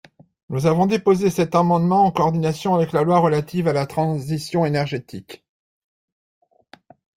Nous avons déposé cet amendement en coordination avec la loi relative à la transition énergétique.